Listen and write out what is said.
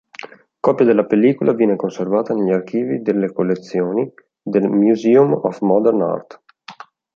Copia della pellicola viene conservata negli archivi delle collezioni del Museum of Modern Art.